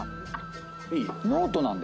ノートなんだよね。